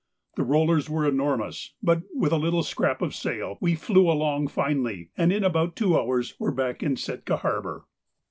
The rollers were enormous, but with a little scrap of sail we flew along finely, and in about two hours were back in Sitka harbour.